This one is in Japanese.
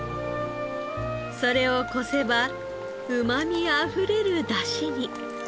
それをこせばうまみあふれる出汁に。